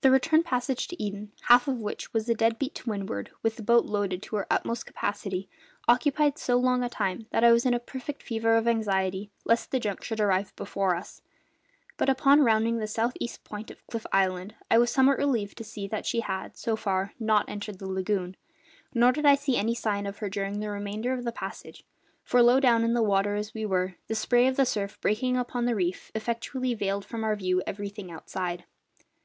The return passage to Eden half of which was a dead beat to windward, with the boat loaded to her utmost capacity occupied so long a time that I was in a perfect fever of anxiety lest the junk should arrive before us; but upon rounding the south east point of Cliff Island I was somewhat relieved to see that she had, so far, not entered the lagoon, nor did I see any sign of her during the remainder of the passage; for, low down in the water as we were, the spray of the surf breaking upon the reef effectually veiled from our view everything outside.